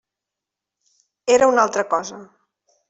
Era una altra cosa.